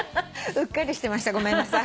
うっかりしてましたごめんなさい。